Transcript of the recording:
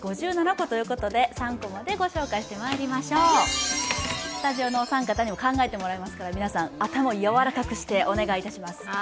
５７個ということで３コマで御紹介してまいりましょうスタジオのお三方にも考えていただきますから、皆さん、頭をやわらかくしてお願いいたします。